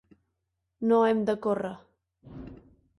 No hem de córrer.